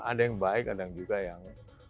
ada yang baik ada yang juga yang